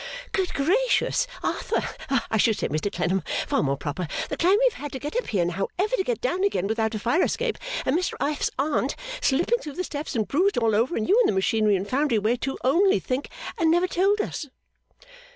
'Good gracious, Arthur, I should say Mr Clennam, far more proper the climb we have had to get up here and how ever to get down again without a fire escape and Mr F.'s Aunt slipping through the steps and bruised all over and you in the machinery and foundry way too only think, and never told us!